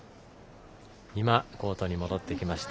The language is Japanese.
今、コートに戻ってきました。